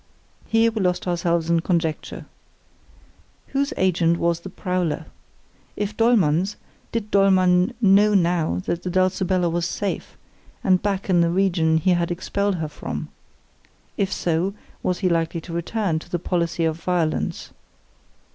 Here we lost ourselves in conjecture. Whose agent was the prowler? If Dollmann's, did Dollmann know now that the Dulcibella was safe, and back in the region he had expelled her from? If so, was he likely to return to the policy of violence?